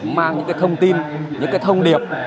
mang những cái thông tin những cái thông điệp